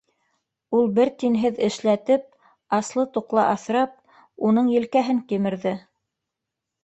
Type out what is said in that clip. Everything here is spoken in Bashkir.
Ул бер тинһеҙ эшләтеп, аслы-туҡлы аҫрап, уның елкәһен кимерҙе.